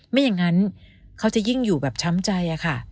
ไม่อย่างนั้นเขาจะยิ่งอยู่แบบช้ำใจอะค่ะ